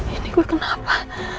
ini gue kenapa